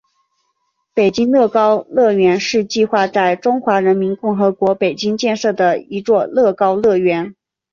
北京乐高乐园是计划在中华人民共和国北京建设的一座乐高乐园。